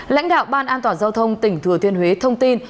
lãnh đạo ban an toàn giao thông tỉnh thừa thiên huế thông tin